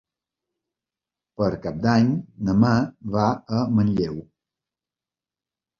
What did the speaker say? Per Cap d'Any na Mar va a Manlleu.